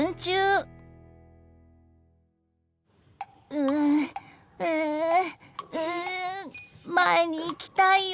うんうんうん前に行きたいよ！